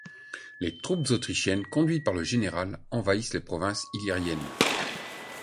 Les troupes autrichiennes conduites par le général envahissent les Provinces illyriennes.